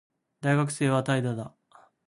大学生は怠惰だ